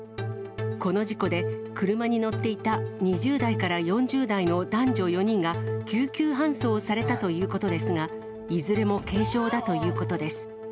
この事故で、車に乗っていた２０代から４０代の男女４人が救急搬送されたということですが、いずれも軽傷だということです。